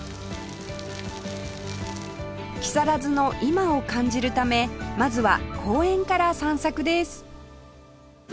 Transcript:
木更津の今を感じるためまずは公園から散策です